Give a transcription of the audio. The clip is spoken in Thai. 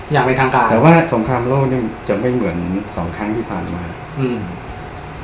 อย่างเป็นทางการแต่ว่าสงครามโลกเนี้ยจะไม่เหมือนสองครั้งที่ผ่านมาอืม